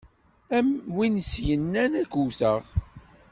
Am win i s-yennan ar k-wwteɣ.